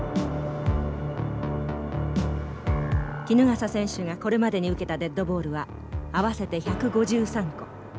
衣笠選手がこれまでに受けたデッドボールは合わせて１５３個。